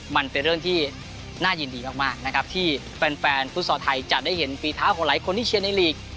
มันเป็นเรื่องที่น่ายินดีมากนะครับที่แฟนฟุตซอลไทยจะได้เห็นฝีเท้าของหลายคนที่เชียร์ในลีก